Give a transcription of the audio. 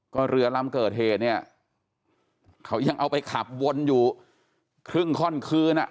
ก็เรือลำเกิดเหตุเนี่ยเขายังเอาไปขับวนอยู่ครึ่งข้อนคืนอ่ะ